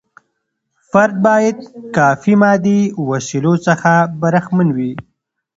فرد باید کافي مادي وسیلو څخه برخمن وي.